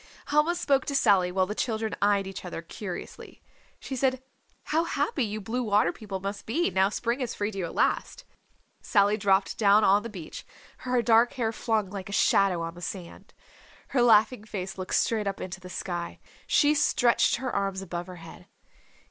Helma spoke to Sally, while the children eyed each other curiously. She said, "How happy you Blue Water People must be now Spring has freed you at last!" Sally dropped down on the beach, her dark hair flung like a shadow on the sand. Her laughing face looked straight up into the sky. She stretched her arms above her head.